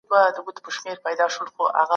د علامه رشاد اکاډيمۍ په کتابتون کي د اخبارو،